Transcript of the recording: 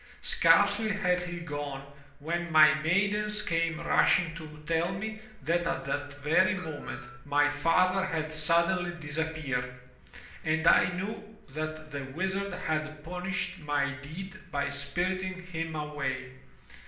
"Scarcely had he gone, when my maidens came rushing to tell me that at that very moment, my father had suddenly dis appeared, and I knew that the Wizard had punished my deed by spiriting him away.